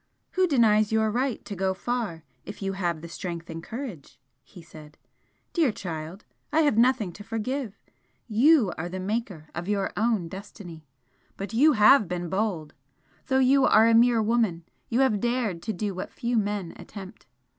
"Who denies your right to go far if you have the strength and courage?" he said "Dear child, I have nothing to forgive! You are the maker of your own destiny! But you have been bold! though you are a mere woman you have dared to do what few men attempt.